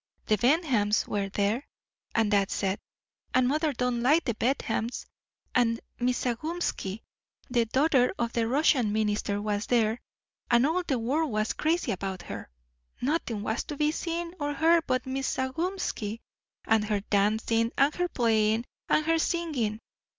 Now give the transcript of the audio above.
The Benthams were there, and that set; and mother don't like the Benthams; and Miss Zagumski, the daughter of the Russian minister, was there, and all the world was crazy about her. Nothing was to be seen or heard but Miss Zagumski, and her dancing, and her playing, and her singing.